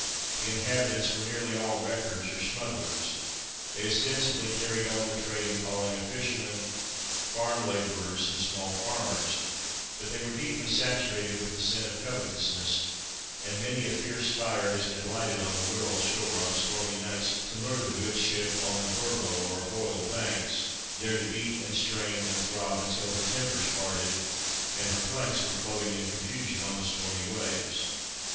The inhabitants were nearly all wreckers or smugglers they ostensibly carried on the trade and calling of fishermen, farm labourers, and small farmers; but they were deeply saturated with the sin of covetousness, and many a fierce fire has been lighted on the Wirrall shore on stormy nights to lure the good ship on the Burbo or Hoyle Banks, there to beat, and strain, and throb, until her timbers parted, and her planks were floating in confusion on the stormy waves.